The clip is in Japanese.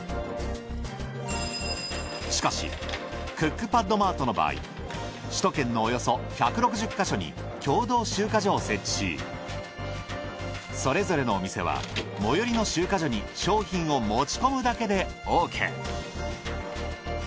しかしクックパッドマートの場合首都圏のおよそ１６０ヵ所に共同集荷所を設置しそれぞれのお店は最寄りの集荷所に商品を持ち込むだけでオーケー。